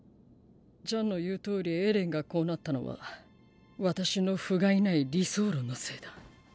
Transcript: ジャンの言うとおりエレンがこうなったのは私の不甲斐ない理想論のせいだ。